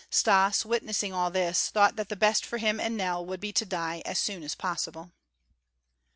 Stas, witnessing all this, thought that the best for him and Nell would be to die as soon as possible.